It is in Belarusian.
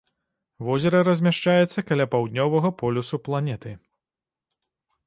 Возера размяшчаецца каля паўднёвага полюсу планеты.